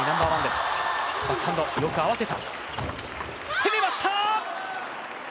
攻めました！